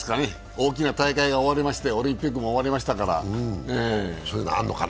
大きな大会が終わりましてオリンピックも終わりましたから。